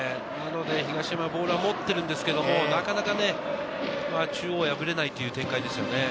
東山、ボールは持っているんですけど、なかなか中央を破れないという展開ですね。